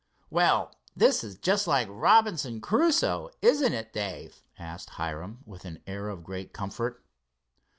"Well, this is just like Robinson Crusoe, isn't it, Dave?" asked Hiram, with an air of great comfort.